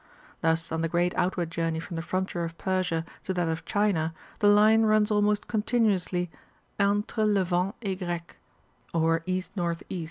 Thus on the great outward journey from the frontier of Persia to that of China the line runs almost continuously " entre Levant et Grec " or E.